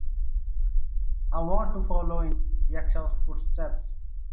I want to follow in Yksel's footsteps.